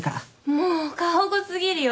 もう過保護過ぎるよ